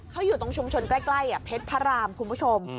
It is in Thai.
เขาอยู่ตรงชุมชนใกล้เพชรพระรามคุณผู้ชม